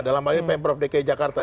dalam hal ini pemprov dki jakarta